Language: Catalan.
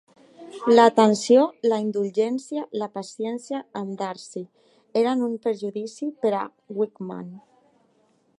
L'atenció, la indulgència, la paciència amb Darcy, eren un perjudici per a Wickham.